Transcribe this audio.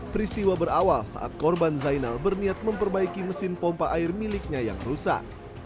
peristiwa berawal saat korban zainal berniat memperbaiki mesin pompa air miliknya yang rusak